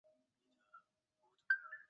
百簕花是爵床科百簕花属的植物。